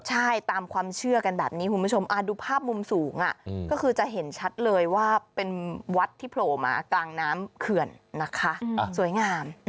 ใช่ตามความเชื่อกันแบบนี้คุณผู้ชมดูภาพมุมสูงก็คือจะเห็นชัดเลยว่าเป็นวัดที่โผล่มากลางน้ำเขื่อนนะคะสวยงาม